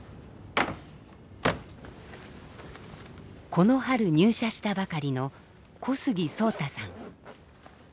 この春入社したばかりの小杉蒼太さん。